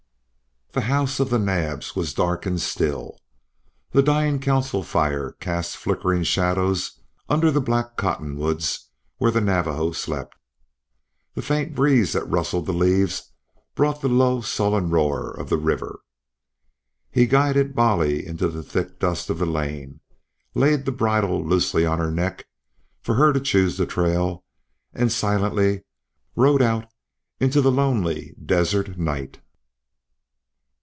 The house of the Naabs was dark and still. The dying council fire cast flickering shadows under the black cottonwoods where the Navajos slept. The faint breeze that rustled the leaves brought the low sullen roar of the river. Hare guided Bolly into the thick dust of the lane, laid the bridle loosely on her neck for her to choose the trail, and silently rode out into the lonely desert night.